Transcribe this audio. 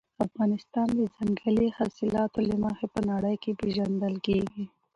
افغانستان د ځنګلي حاصلاتو له مخې په نړۍ کې پېژندل کېږي.